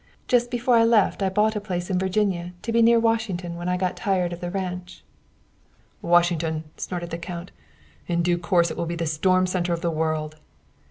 Just before I left I bought a place in Virginia to be near Washington when I got tired of the ranch." "Washington!" snorted the count. "In due course it will be the storm center of the world."